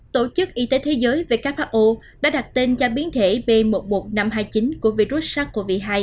tổ chức y tế thế giới who đã đặt tên cho biến thể b một mươi một nghìn năm trăm hai mươi chín của virus sars cov hai